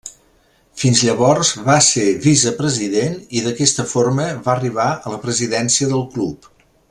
Fins llavors va ser vicepresident i d'aquesta forma va arribar a la presidència del club.